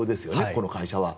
この会社は。